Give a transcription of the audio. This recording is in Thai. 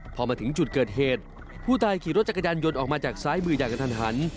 พอมาถึงจุดเกิดเหตุผู้ตายขี่รถจักรยานยนต์ออกมาจากซ้ายมืออย่างกระทันหัน